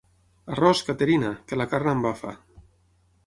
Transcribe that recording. Arròs, Caterina!, que la carn embafa.